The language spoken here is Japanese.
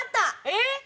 えっ？